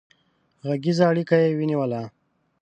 غږيزه اړيکه يې ونيوله